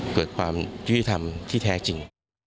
ความยุติธรรมที่แท้จริง